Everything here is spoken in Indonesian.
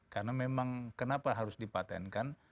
karena memang kenapa harus dipatentkan